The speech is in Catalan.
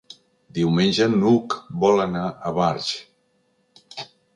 Diumenge n'Hug vol anar a Barx.